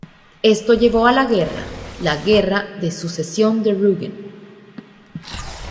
Esto llevó a la guerra, la Guerra de Sucesión de Rügen.